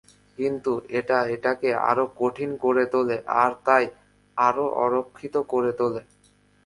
কিন্তু, এটা এটাকে আরও কঠিন করে তোলে আর তাই আরও অরক্ষিত করে তোলে।